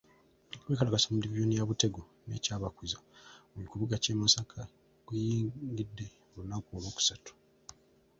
Okwekalakaasa mu divisoni ya Butego ne Kyabakuza mu kibuga ky'e Masaka kuyingidde olunaku olw'okusatu.